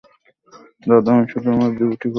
দাদা, আমি শুধু আমার ডিউটি করছি।